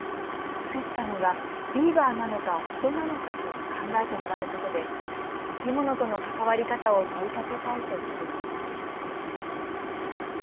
作ったのがビーバーなのか人なのかと考えてもらうことで生き物との関わり方を問いかけたいとしています。